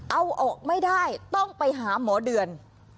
เอาออกไม่ได้ต้องไปหาหมอเดือน